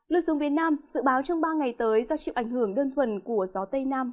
lưu xuống biển nam dự báo trong ba ngày tới do chịu ảnh hưởng đơn thuần của gió tây nam